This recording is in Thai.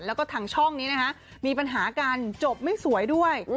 แล้วก็ทางช่องนี้นะคะมีปัญหากันจบไม่สวยด้วย